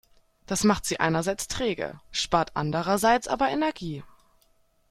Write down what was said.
Das macht sie einerseits träge, spart andererseits aber Energie.